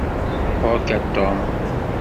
Ɣuṛ-k a Tom.